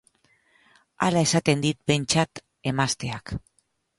Hala esaten dit, behintzat, emazteak.